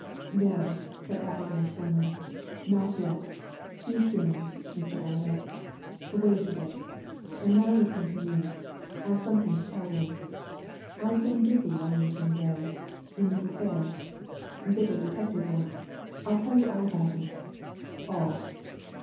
"No!" said Appleyard firmly. "Not yet. Too soon, Mr. Allerdyke wait a bit. And now listen to me I've something to tell you. I've been busy while you've been away in this affair. Bit of detective work. I'll tell you all about it all!